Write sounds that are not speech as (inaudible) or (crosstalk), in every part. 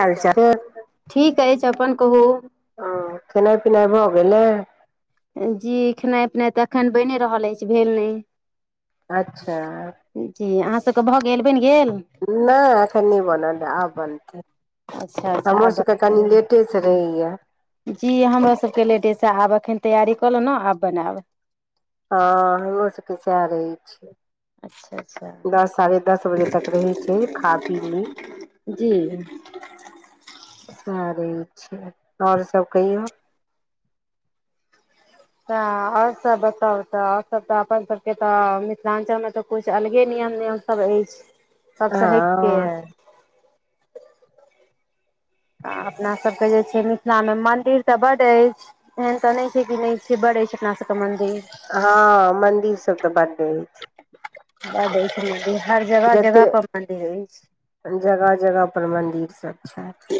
हाल चाल ठीक अछि अपन कहू ओ खनाइ पिनाइ भऽ गेलै जी खेनाइ पिनाइ तऽ एखन बनि रहल अछि भेल नहि अच्छा जी अहाँ सबके भऽ गेल बनि गेल नहि एखन नहि बनल ऐ आब बनतै अच्छा अच्छा आब हमर सबके कनी बनतै लेटे से रहैया जी हमरो सबके लेडीज आब अखन तैयरी कऽ लेलौं ने आब बनायब हँ हमहो सबके सएह रहै छियै अच्छा अच्छा। दस साढ़े दस बजे तक रहि छी खा पी ली। जी। आबै छै और सभ कहियौ तऽ और सभ बताउ त और सभ तऽ अपन सभके तऽ मिथिलाञ्चलमे तऽ कुछ अलगे नियम नियम सभ अछि सभसँ हटिके हँ अछि आ अपनासभके जे छै मिथिलामे मन्दिर तऽ बड्ड अछि एहन तऽ नहि छै कि नहि छै बड अछि अपना सबके मंन्दिर हँ मंदिर सब तऽ बड्ड अछि उहाय देखलिए हर जगह जगह जते पर मन्दिर अछि जगह जगह पर मंन्दिर सब छथि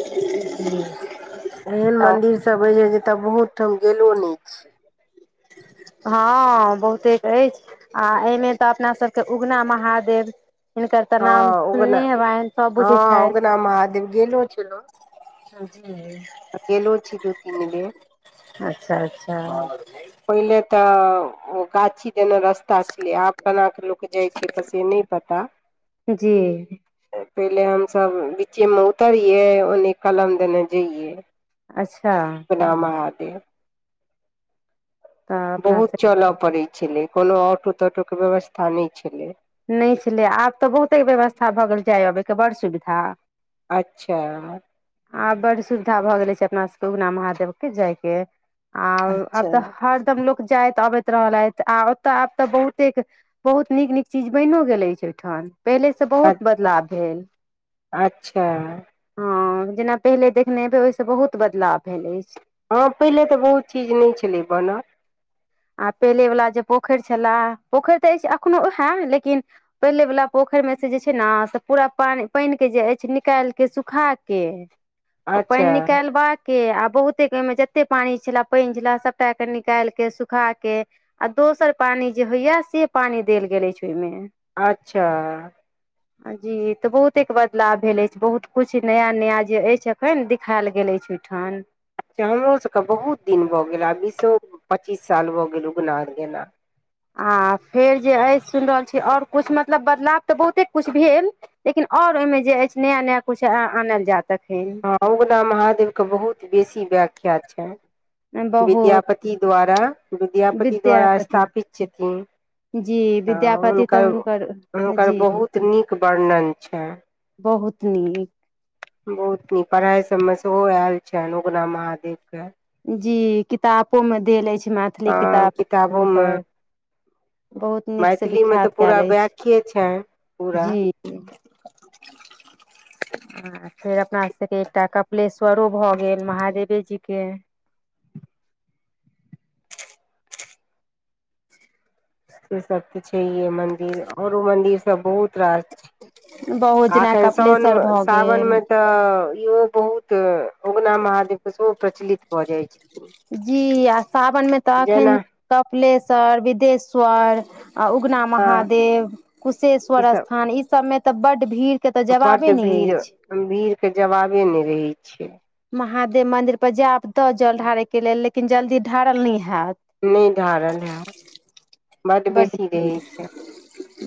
एहन तऽ मन्दिर सभ बहुत ठाम गेलो नै छी ह बहुते अछि आ एने तऽ अपनासभके उगना महादेव हिनकर तऽ हँ नाम सुन उगना ने हेबनि सभ बुझै हँ छैत उगना महादेव गेलो छलो ह आ गेलेलो छी दू तीन बेर अच्छा अच्छा। पहिले तऽ ओ गाछी देने रस। पता छलिय आब केना कऽ लोक जाइ छै पस छै नहि पता जी पहिले हमसभ बीच्चेमे उतरियै ओने कलम देने जइयै अच्छा महादेव तऽ अपना बहुत सब चलय पड़ैत छलै कोनो ऑटो तोटो के व्यवस्था नहि छलै नहि छलै आब तऽ बहुते व्यवस्था भऽ गेल जाय अबैके बड़ सुविधा अच्छा आ बड्ड सुविधा भऽ गेलै छै अपना सभके उगना महादेवके जायके आ अब अच्छा तऽ हरदम लोको जाइत अबैत रहल अछि आ ओतऽ आब तऽ बहुते बहुत नीक नीक चीज बनिओ गेल छै ओहिठाम पहिलेसँ बहुत बदलाव भेल अच्छा। हँ जेना पहिले देखने हेबै ओहिस बहुत बदलाव भेल अछि हँ पहिले तऽ बहुत चीज नहि छलै बनल आ पहिले वला जे पोखरि छलए पोखरि तऽ अछि एखनो ओहय लेकिन पहिले वला पोखरिमे से जे छै ने से पूरा पानि पानि के जे अछि निकाल के सुखा के ओ पानि अच्छा निकलबाक के आ बहुते के ओ मे जते पानी छे पान छे सबटा के निकाल के सुख सुखा के आ दोसर पानी जे होइया से पानी देल गेले छै ओहिमे अच्छा (inaudible) जी ते बहुते बदलाव भेले अछि बहुत कुछ नया नया जे अछि अखन दिखायल गेल अछि ठन हमरोसभके बहुत दिन भऽ गेल आ बीसो पच्चीस साल भऽ गेल उगना आर गेना आ फेर जे अ सुन रहल छी आओर कुछ मतलब बदलाव तऽ बहुते कुछ भेल लेकिन आओर ओहिमे जे अछि नया नया किछु आनल जायत एखेन हँ उगना महादेव के बहुत बेसी व्याख्या छैनि बहुत विद्यापति द्वारा विद्यापति द्वारा विद्यापति स्थापित छथिन जी तऽ विद्यापति तऽ हुनकर हुनकर जी बहुत नीक वर्णन छनि बहुत नीक बहुत नीक पढ़ाइ सभमे सेहो आयल छनि उगना महादेवके जी कितापो मे देल अछि छै मैथिली अ किताब किताबोमे हुनकर बहुत नीकसँ मैथिलीमे तऽ विख्यात पूरा कयल अछि व्याख्ये छनि पूरा जी आ फेर अपना एकटा कपिलेश्वर स्वरो भऽ गेल महादेवे जीके से सब ते छैे मंदिर औरो मंदिर सब बहुत रास छै बहुत जेना एखन साओन कपिलेश्वर भऽ सावन गेल मे तऽ इहो बहुत तऽ उगना महादेव के सेहो प्रचलित भऽ जाइत छथि जी आ सावनमे तऽ एखन जेना कपिलेश्वर बिदेश्वर आ उगना हँ महादेव ई कुशेश्वर सब स्थान ई सब मे तऽ बड्ड भीड़ के तऽ जवाबे नहि अछि भीड़के जवाबे नहि रहै छैिय महादेव मन्दिर पर जायब तऽ जल ढारयके लेल लेकिन जल्दी जल ढारल नहि हैत नहि ढारल हैत बड बड्ड बेसी रहैत भीड़ छै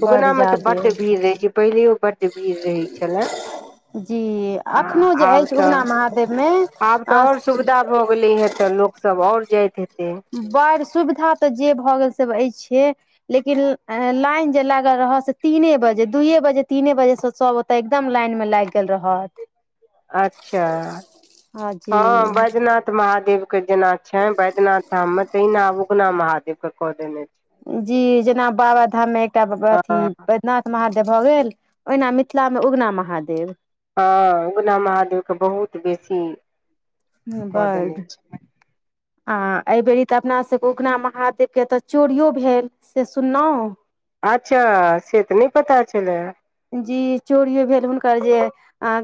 बड्ड उगनामे तऽ जादे बड्ड भीड़ रहैत छै पहिलैयो बड्ड भीड़ रहैत छलए जी एखनोहु जे अछि तऽ उगना महादेवमे आब तऽ अ आओर सुविधा भऽ गेले हे तऽ लोक सब आओर जाइत हेते बड़ सुविधा तऽ जे भऽ गेल से अछिये लेकिन लाइन जे लागल रह से तीने बजे दूइए बजे तीने बजेसँ सभ तऽ एकदम लाइन मे लागि गेल रहत अच्छा हँ बैद्यनाथ महादेव के जेना छैन बैद्यनाथ तऽ हम तहिना आब उगनि महादेव के कऽ देने छै जी जेना बाबा धाम मे एकटा हँ अथी नाथ महादेव भऽ गेल ओहिना मिथिलामे उगना महादेव हँ उगना महादेवके बहुत बेसी हूंम्म कऽ देने बड्ड छै आ एहिबेरी तऽ अपना सबके तऽ उगना महादेव के एतऽ चोरियो भेल से सुनलहुँ अच्छा से तऽ नहि पता छले जी चोरियो भेल हुनकर जे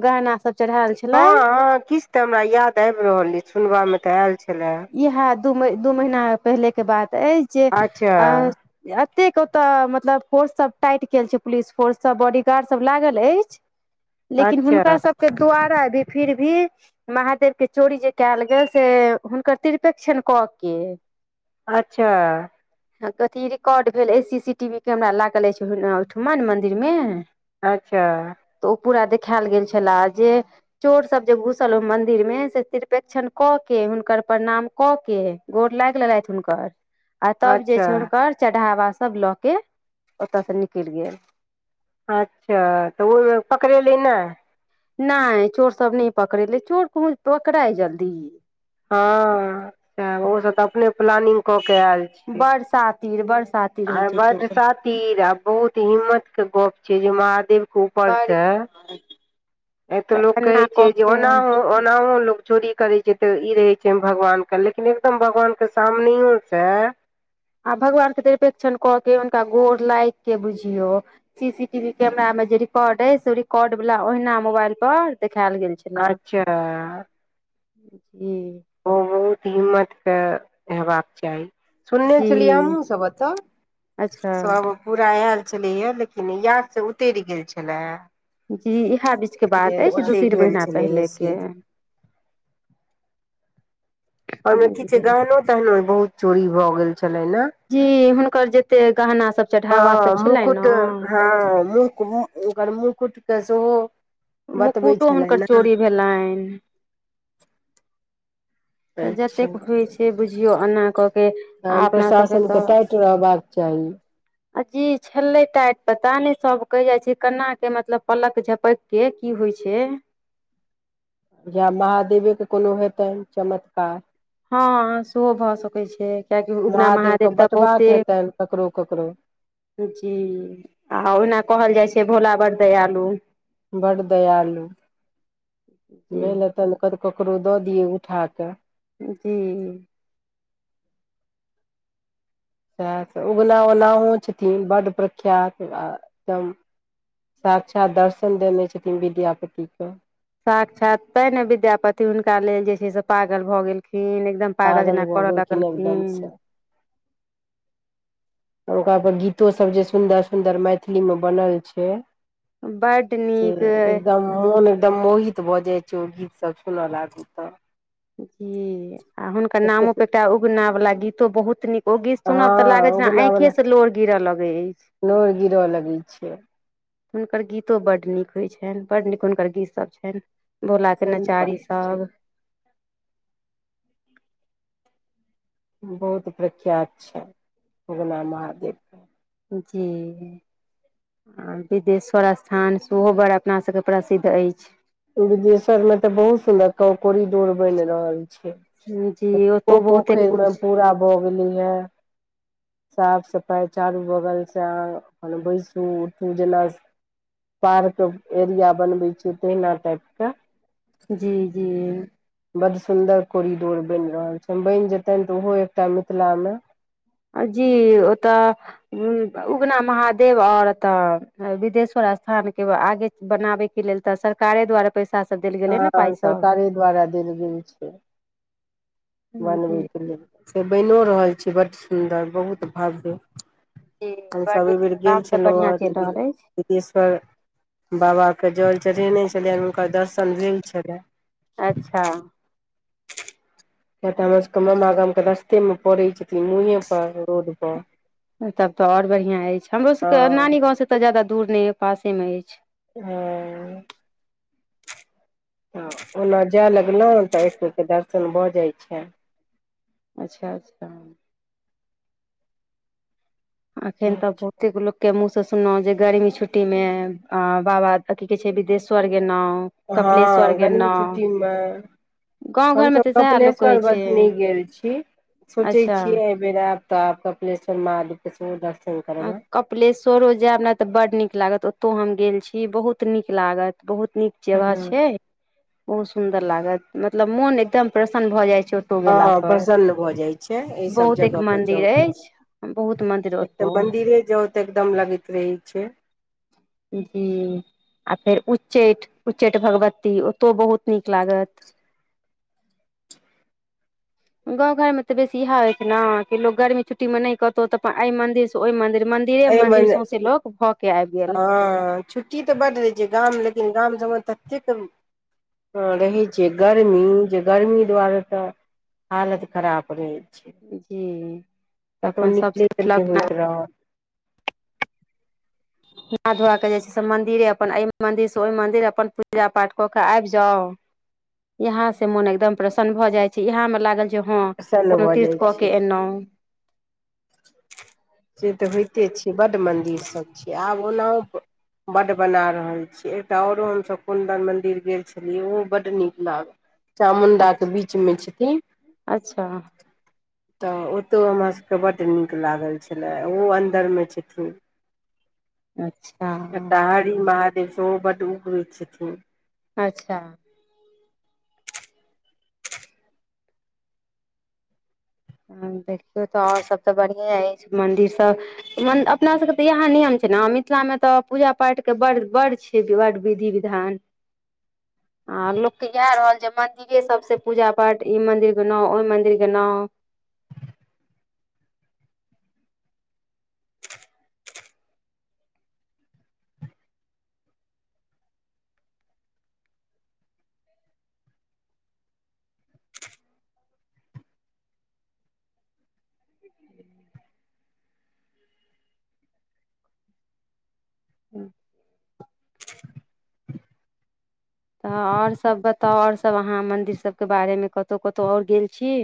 गहना सब चढ़ायल छै हँ हँ किछु तऽ हमरा याद आबि रहल अइ सुनबामे तऽ आयल छलए इएह दू म दू महीना पहिलेके बात अछि जे अच्छा अ एतेक ओते मतलब फोर्स सब टाइट कल छै पुलिस फोर्स सब बॉडीगार्ड सब लागल अछि लेकिन अच्छा हुनका सब के द्वारा भी फिर भी महादेव के चोरी जे कयल गेल से हुनकर तिरपेक्षण कऽ के अच्छा कथी रिकॉर्ड भेल C C T V camera लागल अछि ओहिठमा मंदिर मे अच्छा तऽ ओ पूरा देखायल गेल छलए जे चोर सब जे घुसल ओ मंदिर मे से तिरपेक्षण कऽ के हु हुनकर प्रणाम क के गोर लाग लेलथि हुनकर आ तब जे अच्छा छै हुनकर चढ़ावा सब लो के ओतय से निकल गेल अच्छा तऽ ओहिमे पकड़ेली ने नहि चोर सब नहि पकड़ेले चोर को पकड़ा जल्दी हँ स ओ सब तऽ अपने प्लानिंग क के आयल छी बरसातीर बरसाात आ बडसातीर आ बहुत हिम्मत के गप छै जे महादेव के ऊपर बड़ से आ तऽ लोक एना कहैत छै कऽ जे के ओनाहु ओनाहु लोक चोरी करे छै ते इ रहे छै भगवान के लेकिन एकदम भगवान के सामनेयो से आ भगवान के निपेक्षण कऽ के हुनका गोर लागि के बुझियौ सी सी टीवी कैमरा में जे रिकॉर्ड ए से रिकॉर्ड वालला ओहिना मोबाइल पर देखायल गेल छै अच्छा हुँ ओ बहुत हिम्मतके हेबाक चाही सुनने चलि जी हमुसब एतऽ अच्छा सब पूरा आयल छलैये लेकिन याद से उतरि गेल छलेे जी इएह बीचके बात अछि दू तीन भेल महिीना छलैया से पहिलेके ओहिमे किीछ जी गहनो तहनो बहुत चोरी भऽ गेल छलै ने जी हुनकर जते गहना सब चढ़ावा सब हँ छलनि मुकुट ने हँ मुक ओकर मुकुटके सेहो बतबै मुकुटो छलै हुनकर ने चोरी भेलनि तऽ अच्छा जतेक होइ छै बुझियौ एना कऽ के आ अपना सबके प्रशासन के टाइट रहबाक चाही अ जी छले टाइट पता ने सब कह जाय छै केना के मतलब पलक झपक के की होइ छै या महादेवे के कोनो हेतनि चमत्कार हँ सेहो भऽ सकै छै किआकि उगना महादेवके महादेव तऽ बँटबाक बहुते हेतनि ककरो ककरो जी आ ओहिना कहल जाइ छै भोला बरदै आलू बड़ दयालु भेल जी ह तऽ ककरो दऽ दियै उठ कऽ जी साह उगना ओनाहो छथिन बड प्रख्यात आ एकदम साक्षात दर्शन देने छथिन विद्यापति के साक्षात तै ने विद्यापति हुनका लेल जे छै से पागल भऽ गेलखिन एकदम पागल जेना भऽ करऽ गेलखिन एकदम लगलखिन से आओर ओकरा पर गीतो सब जे सुन्दर सुन्दर मैथिली मे बनल छै बड्ड नीक एकदम मन एकदम महि बजै छै ओ गीत सब सुनऽ लागू तऽ जी आ हुनकर नामो एतेक पे एकटा उगना वालला गीतो बहुत निक ओ गीत सुनब तऽ हँ लागै छै ने उगना आऑखे वला से लोर गिरऽ लगै अछि नोर गिरऽ लगै छै हुनकर गीतो बड नीक होइ छनि। बड नीक हुनकर गीतसभ छनि। बोल के सही बात नचारी छै सभ बहुत प्रख्यात छै उगना महादेवके जी आ बिदेश्वर स्थान सेहो बड़ अपनासभके प्रसिद्ध अछि। बिदेश्वर में तऽ बहुत सुन्दर ककौड़ी डोर बन रहल। जी ओतौ ओ बहुते पोखरिमे किछु पूरा भरि गेलैए। साफ सफाई चारू बगलसँ अपन बैसू उठू जेना। पार्क एरिया बनबै छै। तहिना टाइप के जी जी बड्ड सुंदर कॉरिडोर बनि रहल छै, बनि जेतनि तऽ ओहो एकटा मिथिला मे। जी ओतऽ उगना महादेव और तऽ स्थान के आगे बनाबयके लेल तऽ सरकारे द्वारा पैसा सभ द हँ सरकारे द्वारा देल गेल छै। जी बनबैके लेल से बनिओ रहल छै। बड्ड सुन्दर बहुत भव्य जी आ बड सवी नीक बेर काम गेल सब छल बढ़िआँ चलि महारती बिल रहल सिद्धेश्वर बाबाके जल चढ़ेने छलियनि, हुनकर दर्शन भेल छलनि। अच्छा एतय हमर सभके मामा गाम के रस्ते मे पड़ै छै। तब तऽ आओर बढ़िआँ अछि। हमरो सभके हँ नानी गाँवसँ ओत जादा दूर नहि य पासे में अछि हँ तऽ ओना जाय लगलहुँ तऽ एक बेर दर्शन भऽ जाइत छनि अच्छा अच्छा आखन त ब कतेक लोकके मुँह सँ सुनलहुँ जे गर्मी छुट्टीमे बाबा की कहै छै, बिदेश्वर गो। हँ गर्मी छुट्टी मे गाँव हम घरमे सभ तऽ सएह लोक कहै कपालेश्वर छै वसनी गेल छी, सोचै अच्छा छियै। फेर अरब त कपालेश्वर महादेव के सेहो दर्शन करेबा कपालेश्वरे जायब ने तऽ बड्ड नीक लागत ओतौ हम गेल छी। बहुत नीक लागत बहुत नीक जगह हँ छै। बहुत सुन्दर लागत मतलब मोन एकदम प्रसन्न भ जाय छै। गेला हँ पर प्रसन्न भऽ जाइ छै। एहि सभ बहुत एक जगह पर जाउ मंदिर अछि बहुत मंदिर तऽ ओतौ मंदिरे जाउ तऽ एकदम लगैत रहे छै। जी आ फेर उच्चैठ उच्चैठ भगवती ओतहु बहुत नीक लागत गाँव घरमे तऽ बेसी इएह होइ छै ने कि लोक गर्मी छुट्टीमे नहि कहतौ तऽ अपन एहि मन्दिर सँ ओहि मन्दिर मिर। एहे मंदिर संसे लोकोग भऽ के आबि गेल आ च छुट्टी तऽ बड्ड रहै छै। गाम लेकिन गाम सभमे ततेक ह रहै छियै गर्मी जे गर्मी दुआरे तऽ हालत खराब रहै छै। जी तऽ अपन कतहु सब निकलैत नहि सोचलक होइत रहत ना, धोआ कऽ जेइ छै से मन्दिरे अपन एहि मन्दिर सँ ओहि मन्दिर अपन पूजा पाठ कऽ कऽ आबि जाउ। यहाँ सँ मोन एकदम प्रसन्न भऽ जाइ छै, एतयमे लागल। जे हँ प्रसन्न कोनो भऽ तीर्थ जाइ कके छै एनहु से तऽ होइते छैयै बड्ड मन्दिरसभ छैयै आब ओनाहो बड्ड बना रहल छी एकटा आओरो हमसभ कुन्दन मन्दिर गेल छलियै ओहो बड्ड नीक लागल चामुण्डाक के अच्छा बीच मे छथिन अच्छा तऽ ओतौ हमरासभके बड्ड नीक लागल छलय ओहो अन्दरमे छू अच्छा हरि महादेव सेहो बड्ड उग्र छथिन अच्छा देखियौ तऽ आओर सभ तऽ बढ़िए अछि मन्दिर सब म अपना सभके तऽ इएह नियम छै ने मिथिलामे तऽ पूजा पाठके ब बड़ड छै ब विधि विधान (inaudible) आ लोक के इएह रहल जे मंदिरे सब से पूजा पाठ ई मंदिर ग ओहि मंदिर गो ह्म तऽ आओर सब बताउ आओर सब अहाँ मंन्दिर सबके बारेमे कतहु कतहु आओर गेल छी